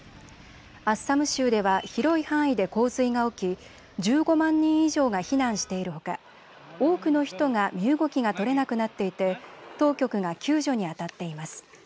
アッサム州では広い範囲で洪水が起き、１５万人以上が避難しているほか多くの人が身動きが取れなくなっていて当局が救助にあたっています。